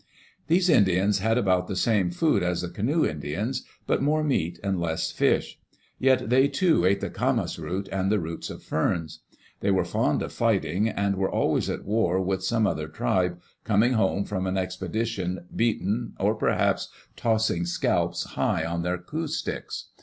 These Indians had about the same food as the canoe Indians, but more meat and less fish; yet they, too, ate the camas root and the roots of ferns. They were fond of fighting, and were always at war with some other tribe, coming home from an expedition beaten, or perhaps tossing scalps high on their "coup sticks."